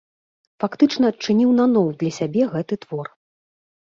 Фактычна адчыніў наноў для сябе гэты твор.